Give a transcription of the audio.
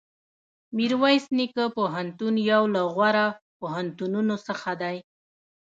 میرویس نیکه پوهنتون یو له غوره پوهنتونونو څخه دی.